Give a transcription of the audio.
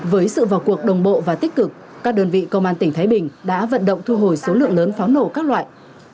với sự vào cuộc đồng bộ và tích cực các đơn vị công an tỉnh thái bình đã vận động thu hồi số lượng lớn pháo nổ các loại